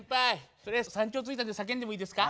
とりあえず山頂着いたんで叫んでもいいですか？